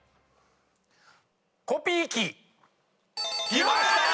きました！